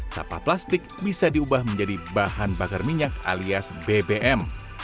sampah plastik bisa diubah menjadi bahan bakar minyak alias bbm